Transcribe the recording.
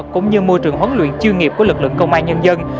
cũng như môi trường huấn luyện chuyên nghiệp của lực lượng công an nhân dân